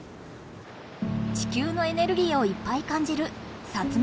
地球のエネルギーをいっぱい感じる薩摩硫黄島。